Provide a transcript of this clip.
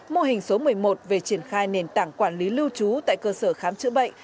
mô hình số một mươi một về triển khai nền tảng quản lý lưu trú tại cơ sở khám chữa bệnh